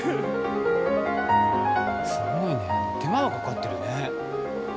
すごいね手間がかかってるね。